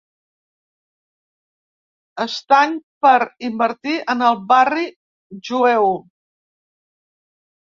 Estany per invertir en el barri jueu.